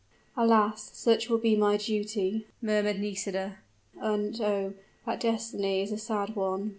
"Alas! such will be my duty!" murmured Nisida; "and oh! that destiny is a sad one!